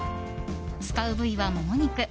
使う部位はモモ肉。